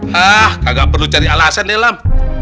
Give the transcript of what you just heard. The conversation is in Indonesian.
hah kagak perlu cari alasan dalam